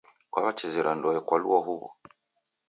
Kwawechezera ndoe kwalua huwu